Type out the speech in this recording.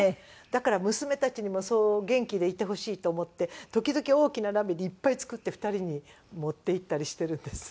だから娘たちにもそう元気でいてほしいと思って時々大きな鍋にいっぱい作って２人に持っていったりしてるんです。